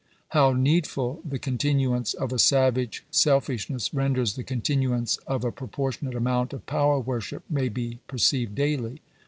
How needful the continuance of a savage selfishness renders the continuance of a proportionate amount of power worship, may be perceived daily.